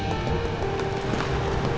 setia pak bos